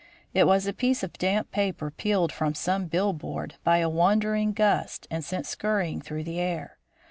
It was a piece of damp paper peeled from some billboard by a wandering gust and sent scurrying through the air.